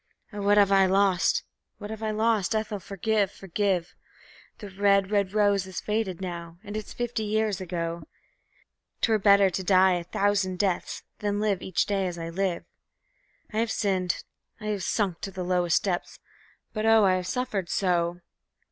Oh, what have I lost! What have I lost! Ethel, forgive, forgive! The red, red rose is faded now, and it's fifty years ago. 'Twere better to die a thousand deaths than live each day as I live! I have sinned, I have sunk to the lowest depths but oh, I have suffered so!